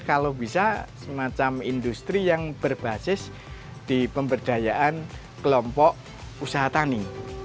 kalau bisa semacam industri yang berbasis di pemberdayaan kelompok usaha tani